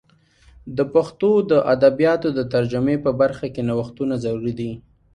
د پښتو د ادبیاتو د ترجمې په برخه کې نوښتونه ضروري دي.